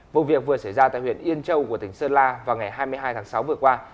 vụ việc vừa xảy ra tại huyện yên châu của tỉnh sơn la vào ngày hai mươi hai tháng sáu vừa qua